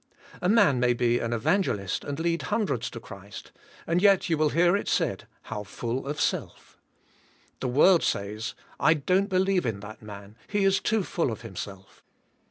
A man may be an evangelist and lead hundreds to Christ and yet you will hear it said "How full of self/' The world says "I don't be lieve in that man he is too full of himself."